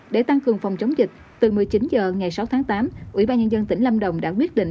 để tăng cường phòng chống dịch từ một mươi chín h ngày sáu tháng tám ủy ban nhân dân tỉnh lâm đồng đã quyết định